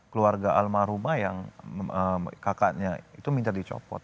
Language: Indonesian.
keluarga almarhumah yang kakaknya itu minta dicopot